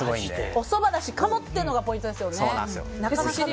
おそばだし、鴨っていうのがポイントですよね。